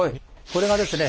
これがですね